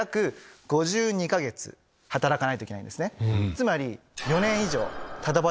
つまり。